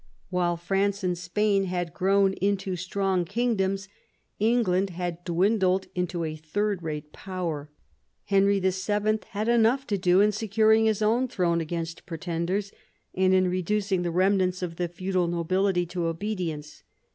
While France and Spain had grown into strong kingdoms, England had dwindled into a third rate power. Henry VII. had enough to do in securing his own throne against pretenders, and in reducing the remnants of the feudal nobility to obedience.